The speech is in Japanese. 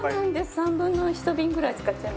３分の１瓶ぐらい使っちゃいますね。